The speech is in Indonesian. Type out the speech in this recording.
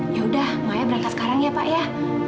yaudah maya berangkat sekarang ya pak ya